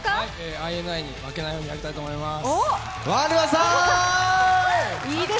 ＩＮＩに負けないようにやりたいと思います。